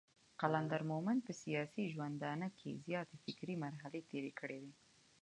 قلندر مومند په سياسي ژوندانه کې زياتې فکري مرحلې تېرې کړې وې.